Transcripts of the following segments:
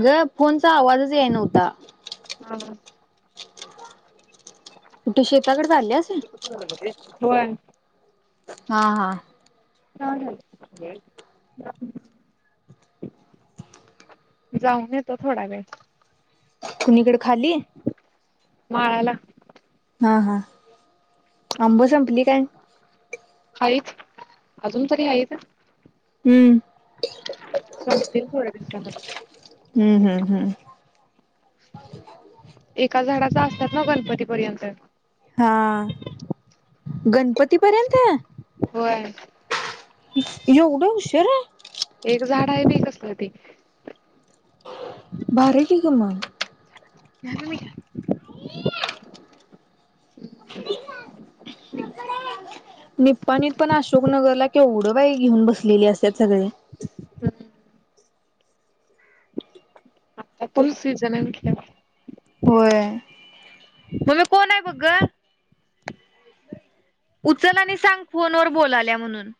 अग फोनचा आवाजच येत नव्हता. हा तू शेताकडे चालल्यास. व्हय हा हा [unintelligible] जाऊन येतो थोडा वेळ. कुणीकडे खाली माळाला हा हा आंब संपली काय? हाईत अजून तरी हाईत. हम्म संपतील थोड्या दिवसा नंतर. हम्म हम्म हम्म एका झाडाच असतात ना गणपतीपर्यंत. हा गणपती पर्यंत होय एवढा उशीरा एक झाड आहे बयी कसल ते भारी की ग मग. [unintelligible] निप्पाणीत पण अशोकनगरला केवढं बाई घेऊन बसलेली असत्यात सगळी. हम्म. त्यात त्योच सीजण हाय म्हटल्याव. होय मम्मे कोण हाय बग ग. उचल आणि सांग फोन वर बोलालिया म्हणून.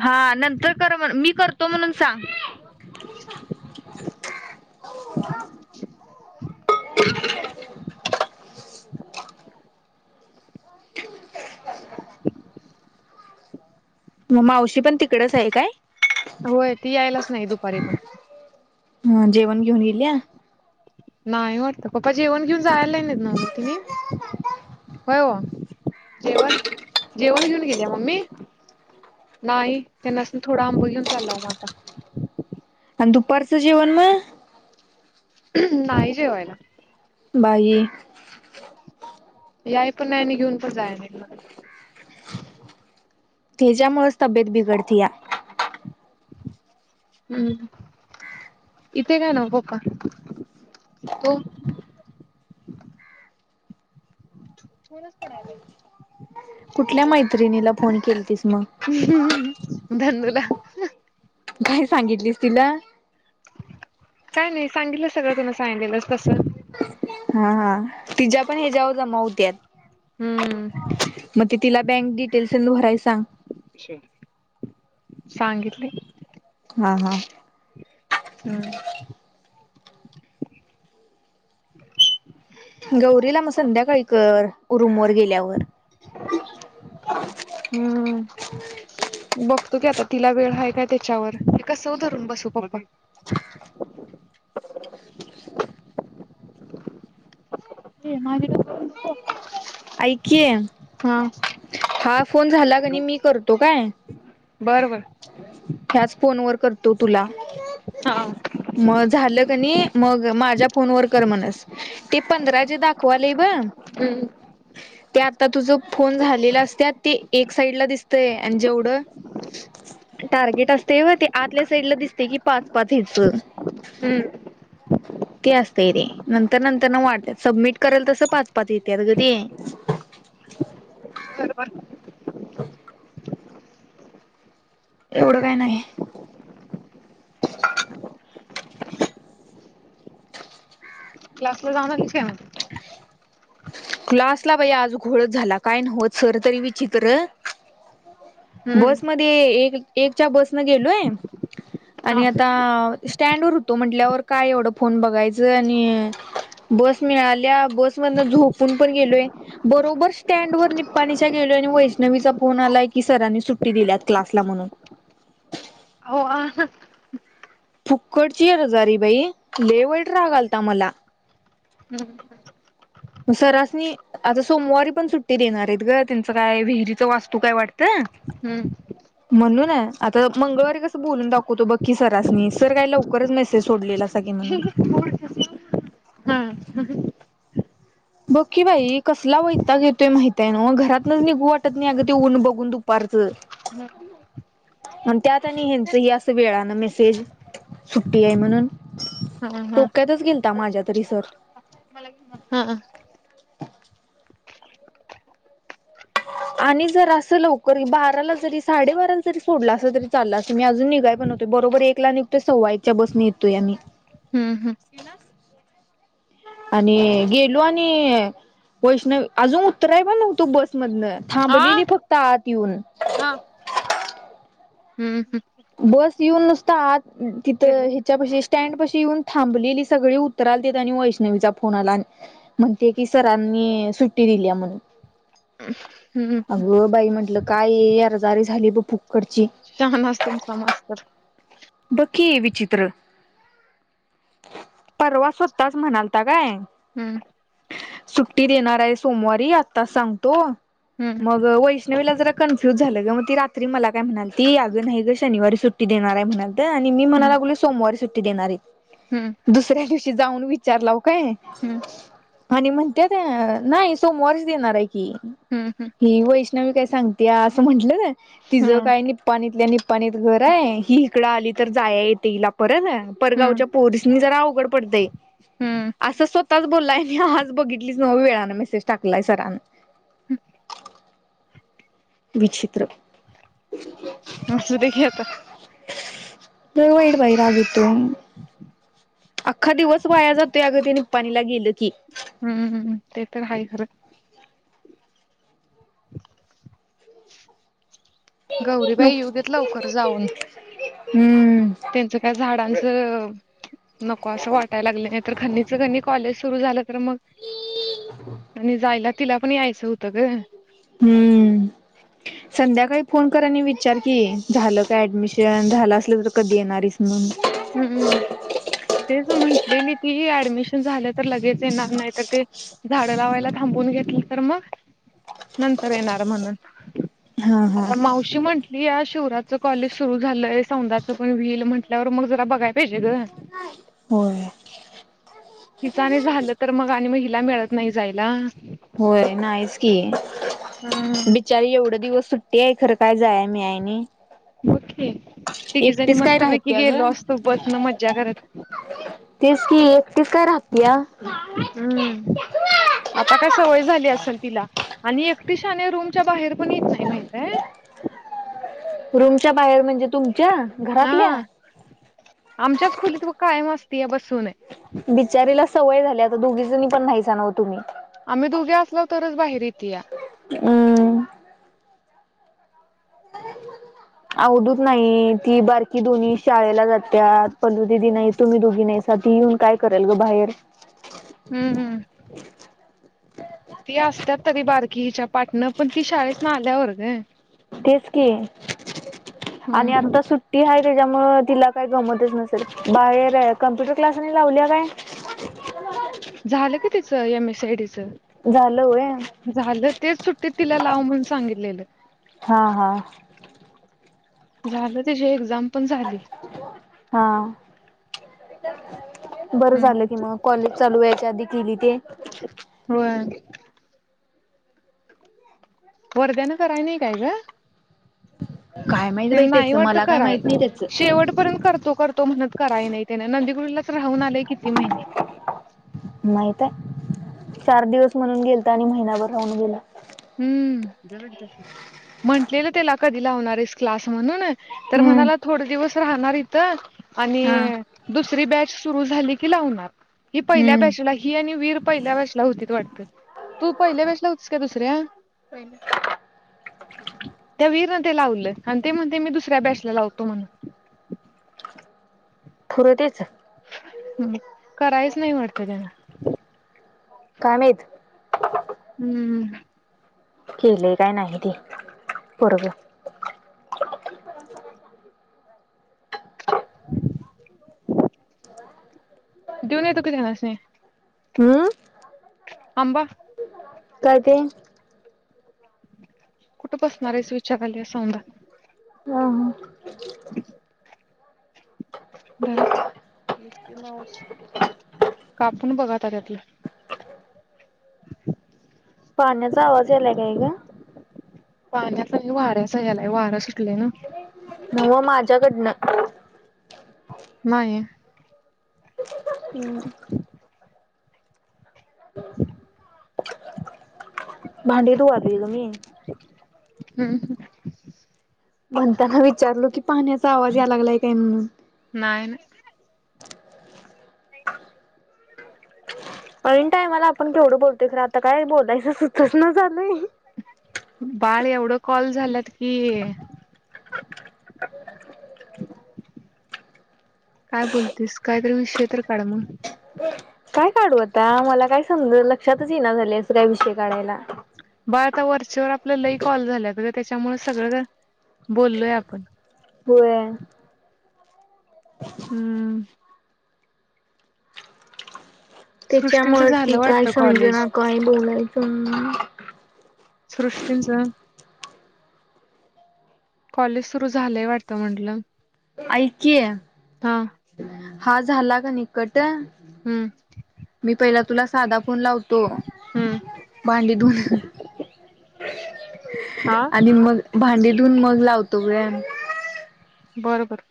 हा नंतर कर म्हण मी करतो म्हणून सांग. [inaudible] म मावशी पण तिकडच हाय काय? होय ती यायलाच नाय दुपारी पण. हा जेवण घेऊन इल्या. नाय वाटत पप्पा जेवण घेऊन जायला नायत न्हव तिनी? होय ओ जेवण जेवण घीऊन गेलीया मम्मी? नाही तेनस्नी थोडा आंब घेऊन चाललाव म आता. आण दुपारचं जेवण म? नाय जेवायला. बाई. याय पण नाय आणि घीऊन पण जाय नायत म्हण. त्येज्यामुळच तब्येत बिघडतीया. हम् इथे एक हाय न्हव बोका तो? पोरस पडायला. कुठल्या मैत्रिणीला फोन केलतीस म? धनू ला. काय सांगितलीस तिला? काय नाय सांगितलं सगळं तुन सांगलेलंस तस. हा हा तिज्या पण हेज्याव जमा हुत्यात. हम्म. म ती तिला बँक डिटेल्स तेन भराय सांग. सांगितलय. हा हा. हम्. [inaudible] गौरीला म संध्याकाळी कर रूमवर गेल्यावर. हम्म. बघतो की आता तिला वेळ हाय का त्याच्यावर. कस व धरून बसू पप्पा? [unintelligible] ऐक की हा. हा फोन झाला क नी मी करतो काय. बर बर ह्याच फोन वर करतो तुला. हा मग झालं कन्य मग माझ्या फोन वर कर म्हणस. ते पंधरा जे दाखवालेय ब हम्म ते आता तुझ फोन झालेल असत्यात ते एक साइडला दिसतय. आणि जेवढं टार्गेट असतय व ते आतल्या साईड ला दिसतय की पाच पाच हेच. हम् अच्छा ते असतय रे नंतर नंतर न वाढतात सबमिट करेल तसं पाच पाच येते क ते बरोबर एवढं काय नाही क्लास ला जाऊन आलीस काय? तुला असला भाै आज घोळच झाला काय नव्हत सर तरी विचित्र. हम्म बस मध्ये एक एकच्या बस न गेलोय हा आणि आता स्टँड वर होतो म्हटल्यावर काय एवढ फोन बघायचं आणि बस मिळाल्या बस म झोपून पण गेलोय बरोबर स्टँड वर निपपाणीच्या गेलो आणि वैष्णवीचा फोन आलाय की सरांनी सुट्टी दिल्यात क्लासला म्हणून अव्वा फुक्कडची रजारी बाई लय वाईट राग आलता मला हम्म हम् सरासणी आता सोमवारी पण सुट्टीत देणार आहेत ग त्यांचं काय विहिरीच वास्तू काय वाटतं हम्म ह म्हणून आहे आता मंगळवारी कसं बोलून दाखवतो बघकीी सरसनी सर काय लवकरच मेसेज सोडलेला अस ह बघकीी बाई कसला वैता घेतोय माहित आहे ना मग घरातनच निघू वाटत नाही अगदी ऊन बघून दुपारचं हम् म त्यात आणि यांचं हे असं वेळान मेसेज सुट्टी आहे म्हणून हा हा डोक्यातच गेलता माझ्या तरी सर हा ह [inaudible] आणि जर असं लवकर बाराला जरी साडेबाराला जरी सोडला अस तरी चाललं अस मी अजून निघाय बनवतो बरोबर एकला निघतो सववाईच्या बसनेेतोय आम्ही हम्म हम आणि गेलो आणि वैष्णव अजून उत्तराय पण नव्हतो बसमधनं हां, थांबलेली फक्त आत येऊन हम्म हम बस येऊन नुसता आ तिथ केलं. ह्याच्यापशी स्टँड पाशी येऊन थांबलेली सगळी उत्तराल देत आणि वैष्णवीचा फोन आला म्हणते की सरांनी सुट्टी दिली म्हणून हम् अगं बाई म्हंटलं काय इरझारी झाली ब फुक्कडची छानच तुमचा मास्टर. बग की विचित्र. परवा स्वताच म्हणालता काय हम्म सुट्टी देणार आहे सोमवारी आत्ताच सांगतो हं, मग वैष्णवीला जरा कन्फ्युज झालं ग मग ती रात्री मला काय म्हणाल ती यागं नाही ग शनिवारी सुट्ट सुट्टी देणार आहे म्हणात आणि मी हं, म्हणायलागले सोमवारी सुट्टी देणार आहे हं, दुसऱ्या दिवशी जाऊन विचारलाव काय हं, आणि म्हणत नाही सोमवारच देणार आहे की हं, हं. ही वैष्णवी काय सांगते या असं म्हंटलं ना- तिझं हां, काय निपपाणीतल्या निपपाणीत घर आहे ही इकडं आली. तर जाया येते हिला परत हं, परगावच्या पोरसनी जरा अवघड पडतंय. हं. असं स्वतःच बोललाय मी आज बघितलीच नवं वेळाने मेसेज टाकलाय सरानं- विचित्र. असु दे घे आता. नलवाईड वैरगतो [unintelligible] अख्खा दिवस वाया जातोय अगं ते निपपाणीला गेलं की. हम्मम्म ते तर आहेच. न गौरीबाई येऊ देत लवकर जाऊन. हम्म त्यांचं काय झाडांचं, नको असं वाटायला लागलंय नाही तर खनीच खनी कॉलेज सुरू झालं तर मग- ह [unintelligible] आणि जायला तिला पण यायचं होतं ग. हम्म संध्याकाळी फोन कर आणि विचार की, झालं का ऍडमिशन झालं असलं तर कधी येणारच म्हणून. हम्म तेच म्हंटलेली ती ऍडमिशन झाल्या तर लगेच येणार नाही तर- झाडं लावायला थांबून घेतली तर मग नंतर येणार म्हणून- हा हा आष [inaudible] अशी म्हटली या शिवराच कॉलेज सुरू झालंय सौदां च पण व्हील म्हंटल्यावर मग बग या पाहिजे. हो हो हिच आणि झालं तर मग आणि महिला मिळत नाही जांयला. होय नाहीच की. हम्म बचारी एवढं दिवस सुट्टी आहे खरं काय जाय मीळाय नाही. बघ की तिघी जणी एकटीच काय मस्त पैकी राहत्या ग गेलो असतो बसन मज्जा करत. तेच की एकटी स काय राहत्या. हम् आता काय सवय झाली असेल तिला, आणि एकटि शानी रूमच्या बाहेर पण येत नाही माहितय. रूमच्या बाहेर म्हणजे तुमच्या घरातल्या? हा आमच्याच खोलीत बघ कायम असते या बसून- बिचारीला सवय झाली आता दोघीचणी पण नाहीसा नव तुम्ही- आम्ही दुघी असलो तरच बाहेर यीत्या. हम्म अवधूत नाही ती बारकी दोन्ही शाळेला जात्यात. पल्लू दीदी नाही तुम्ही दोघी नाही सा ती येऊन काय करेल ग बाहेर. हम् हम्म ती असत्यात तरी बारकी हीच्या पाटन पण ती शाळेेत ना आल्यावर गं. तेच की हम्म आणि हम्म आता सुट- ती आहेय त्याच्यामुळं तिला काही गमतच नसेल बाहेर कम्प्युटर क्लासनी लावली काय? झालं की त्याच एम एस टी च झालं होय. झालं तेच सुट्टीत तिला लाव म्हणून सांगितलंय. हा हा झालं त्याची एक्झाम पण झाली. हा बरं हम्म झालं की मग. कॉलेज चालू याच्या आधी केली ते. होय. वरद्यानं करायनी काय ग. काय माहित त्यांना बाई नाही त्याच वाटतं मला काय कराय माहित नाही त्याच शेवट पर्यंत करतो करतो. तो म्हणत कराय नाही त्याने नंदीगुडलाच राहून आलेय किती महिने. माहित आहे चार दिवस म्हणून गेलता आणि महिनाभर राहून गेला. हम्म म्हंटलेलं त्याला कधी लावणार आहेसं क्लास म्हणून? तर हम्म म्हणाला थोडे दिवस राहणार इथं आणि हा - दुसरी बॅच सुरू झाली की लावणार ही पहिल्या हम्म बॅचला ही आणि वीर पहिल्या बॅच- होती वाटत तू पहिल्या वेळेला होतीस का दुसऱ्या? त्या वीरनं ते लावलं आणि ते म्हणते मी दुसऱ्या बॅचला लावतो म्हणून. ठुरतेच [inaudible] ह करायच नाही वाटत त्यांना. काय माहितं. हम्म, केलेयं काय नाही ते बरोबर. देऊन येतो का धन्यनी? हम्म आंबा? काय ते? कुठं बसणार आहेच विचाराले सवधा. हम ह. धरा. कापून बघा त्यातलं. [inaudible] पाण्याचा आवाज यालाय काय गं? पाण्यात वाऱ्याचा यालाय वारं सुटलंय ना. नावं माझ्याकडनं. नाहीय. हम् [inaudible] भांडे धुवली गं मी. हम्म हम् म्हणताना विचारलो की पाण्याचा आवाज याय लागलाय काय म्हणून. नाहीय नाय. पोहच का ज [unintelligible] ऐन टाईम ला आपण केवढं बोलतोय खरं आता काय बोलायचं सुचनं झालं. बाळ एवढं कॉल झालंत की? काय बोलतेस कायतरी विषय तर काढ मग? काय काढू आता मला काय समज लक्षातच येना झाले अस काय विषय काढायला. बाळ आता वरच्यावर आपलं लई कॉल झालं तर त्याच्यामुळे सगळं बोललोय आपण. होय. हम्म, सृष्टींचं त्याच्यामुळे की झालं काय वाटतं समज कॉलेज ना काय बोलायचं. सृष्टीनचा? कॉलेज सुरू झालंय वाटतं म्हंटलं. ऐक की हा हा झाला की नी कट हम्म मी पहिला तुला साधा फोण लावतो हम्म भांडी धु ह हां आणि मग भांडीतऊून मग लावतो व बर बर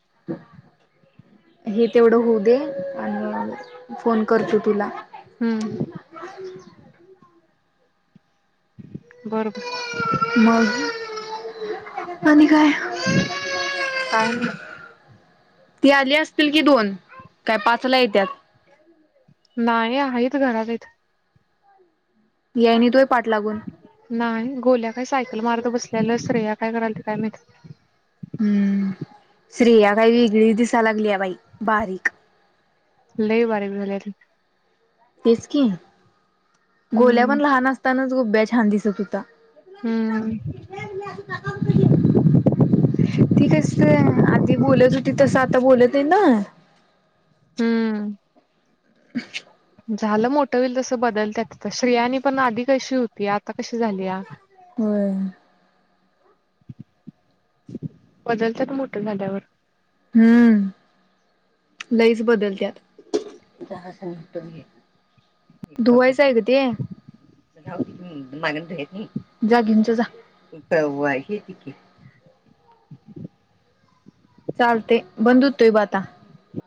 हे तेवढं होऊ दे आणि फोन करतो तुला हम्म बरोबर मग आणि काय? काय ना ती आली असतील कि दोन काय पाचला येत्याात नाही हाईट घरात आहेत याय नाहीत पाठ लागून? नाही गोल्या काही सायकल मारत बसल्याला श्रेया काय कराल ते काय माहीत हम्म स््रेया काही वेगळीच दिसा लागली आहे बाई बारीक वय बारीक झाली या ती तेच की गोल्या हम्म पण लहान असतानाच गुब्ब्या छान दिसत होत हम्म ये मी आसा तुला धक्का बुक्क देईन ती कस आधी बोलत होती तस आता बोलत आहे ना हम्म [inaudible] झालं मोठं होईल तसं बदलतत श्रियांनी पण आधी कशी होती आता कशी झाली या होय बदलतात मोठं झाड्यावर हम्म लईच बदलत्यातटतो धुवायचं आहे ग ते जाऊ माग जागिंच जा हे ती [unintelligible] चालते बंद होतोय ब आता